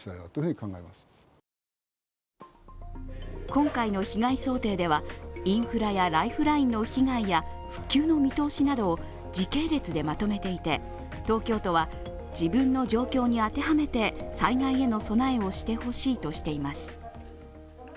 今回の被害想定ではインフラやライフラインの被害や復旧の見通しなどを、時系列でまとめていて東京都は自分の状況に当てはめて、災害への備えをしてほしいとしています。